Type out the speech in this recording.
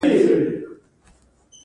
ښاغلي ولیزي د کتاب لپاره ناشر هم پیدا کړ.